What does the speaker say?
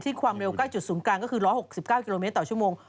ความเร็วใกล้จุดศูนย์กลางก็คือ๑๖๙กิโลเมตรต่อชั่วโมง